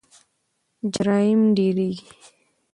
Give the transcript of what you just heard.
جرایم ډیریږي.